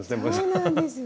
そうなんですよ